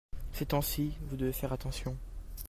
ces temps-ci vous devez faire attention.